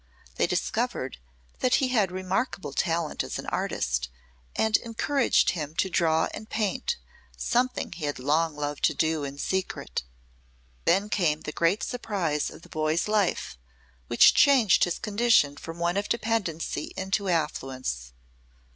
They discovered that he had remarkable talent as an artist, and encouraged him to draw and paint, something he had long loved to do in secret. Then came the great surprise of the boy's life, which changed his condition from one of dependency into affluence.